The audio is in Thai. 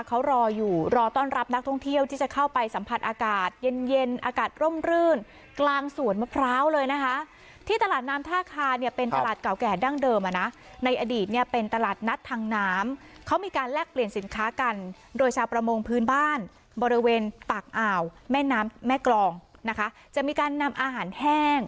เขารออยู่รอต้อนรับนักท่องเที่ยวที่จะเข้าไปสัมผัสอากาศเย็นเย็นอากาศร่มรื่นกลางสวนมะพร้าวเลยนะคะที่ตลาดน้ำท่าคาเนี่ยเป็นตลาดเก่าแก่ดั้งเดิมอ่ะนะในอดีตเนี่ยเป็นตลาดนัดทางน้ำเขามีการแลกเปลี่ยนสินค้ากันโดยชาวประมงพื้นบ้านบริเวณปากอ่าวแม่น้ำแม่กรองนะคะจะมีการนำอาหารแห้ง